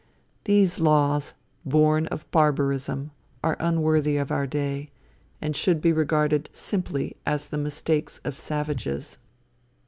These laws, born of barbarism, are unworthy of our day, and should be regarded simply as the mistakes of savages.